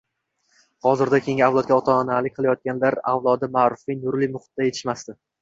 hozirda keyingi avlodga ota-onalik qilayotganlar avlodi ma’rifiy nurli muhitda yetishmadi.